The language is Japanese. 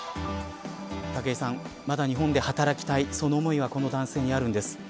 武井さん、まだ日本で働きたいその思いがこの男性にはあるんです。